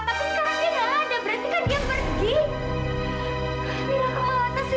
tapi sekarang dia gak ada berarti kan dia pergi